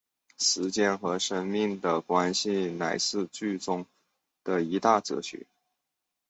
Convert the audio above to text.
时间和生命的关系乃是剧中的一大哲学。